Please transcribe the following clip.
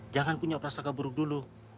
jangan punya prasaka buruk dulu